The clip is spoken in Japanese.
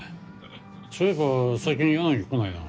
そういえば最近柳来ないな。